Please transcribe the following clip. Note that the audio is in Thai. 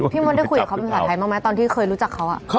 พี่ม่อนได้คุยกับเขาเป็นสหัสไทยมากมั้ยตอนที่เคยรู้จักเขาอะ